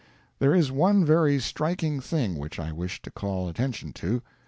There is one very striking thing which I wish to call attention to.